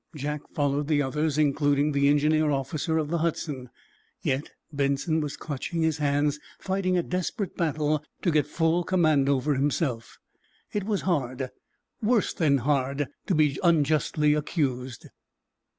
Jack followed the others, including the engineer officer of the "Hudson." Yet Benson was clenching his hands, fighting a desperate battle to get full command over himself. It was hard—worse than hard—to be unjustly accused.